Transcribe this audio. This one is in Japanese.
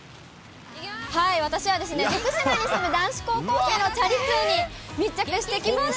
私は徳島に住む男子高校生のチャリ通に密着してきました。